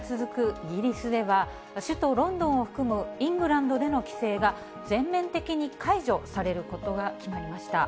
イギリスでは、首都ロンドンを含むイングランドでの規制が、全面的に解除されることが決まりました。